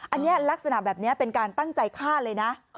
อันนี้ลักษณะแบบนี้เป็นการตั้งใจฆ่าเลยนะ